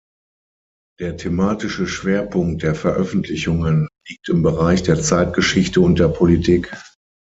Der thematische Schwerpunkt der Veröffentlichungen liegt im Bereich der Zeitgeschichte und der Politik.